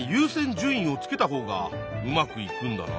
順位をつけたほうがうまくいくんだな。